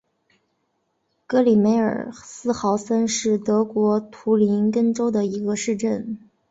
格里梅尔斯豪森是德国图林根州的一个市镇。